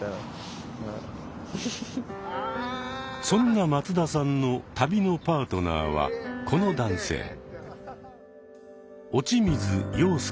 そんな松田さんの旅のパートナーはこの男性。